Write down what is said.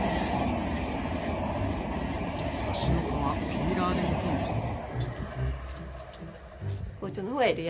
梨の皮ピーラーでむくんですね。